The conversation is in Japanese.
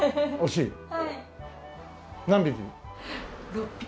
６匹。